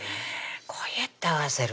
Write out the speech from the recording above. こうやって合わせる